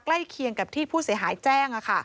ใกล้เคียงกับที่ผู้เสียหายแจ้ง